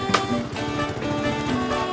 di depan kau